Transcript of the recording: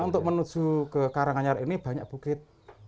untuk menuju ke karanganyar ini banyak bukit